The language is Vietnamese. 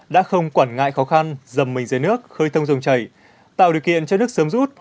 đã không quản ngại khó khăn dầm mình dưới nước khơi thông dòng chảy tạo điều kiện cho nước sớm rút